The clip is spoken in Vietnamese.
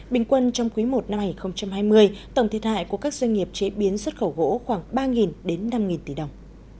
bình quân trong quý i năm hai nghìn hai mươi tổng thiệt hại của các doanh nghiệp chế biến xuất khẩu gỗ khoảng ba đến năm tỷ đồng